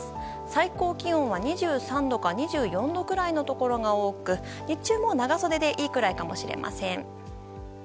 最高気温は２３度か２４度くらいのところが多く日中も長袖でいいくらいかと思います。